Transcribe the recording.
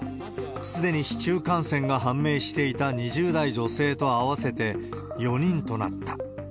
すでに市中感染が判明していた２０代女性と合わせて４人となった。